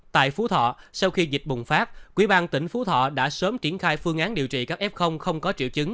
tại phú thọ sau khi dịch bùng phát quỹ ban tỉnh phú thọ đã sớm triển khai phương án điều trị